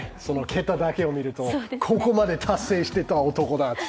桁だけを見るとここまで達成した男だって。